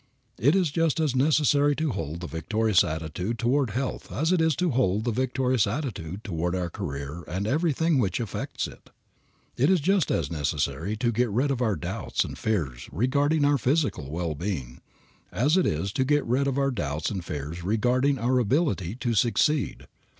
It is just as necessary to hold the victorious attitude toward health as it is to hold the victorious attitude toward our career and everything which affects it. It is just as necessary to get rid of our doubts and fears regarding our physical well being, as it is to get rid of our doubts and fears regarding our ability to succeed.